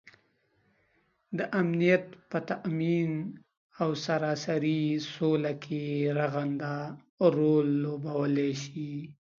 دامنیت په تآمین او سراسري سوله کې رغنده رول لوبوالی شي